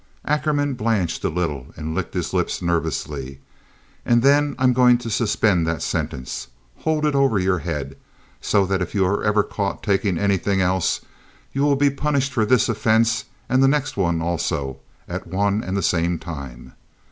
Ackerman blanched a little and licked his lips nervously. "And then I am going to suspend that sentence—hold it over your head, so that if you are ever caught taking anything else you will be punished for this offense and the next one also at one and the same time.